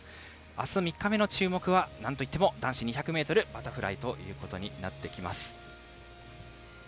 明日３日目の注目はなんといっても男子２００ｍバタフライとなってきます。